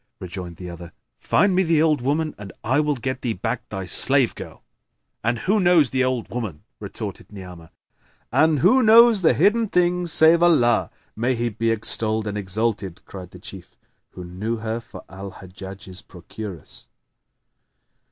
Rejoined the other, "Find me the old woman and I will get thee back thy slave girl." "And who knows the old woman?" retorted Ni'amah. "And who knows the hidden things save Allah (may He be extolled and exalted!)?" cried the Chief, who knew her for Al Hajjaj's procuress.